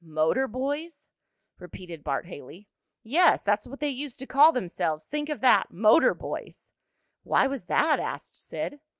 "Motor boys?" repeated Bart Haley. "Yes, that's what they used to call themselves. Think of that motor boys!" "Why was that?" asked Sid.